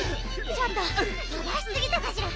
ちょっととばしすぎたかしら？